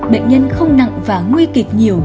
bệnh nhân không nặng và nguy kịch nhiều